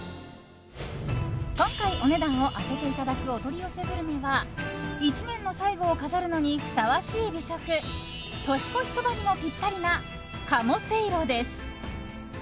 今回、お値段を当てていただくお取り寄せグルメは１年の最後を飾るのにふさわしい美食年越しそばにもぴったりな鴨せいろです。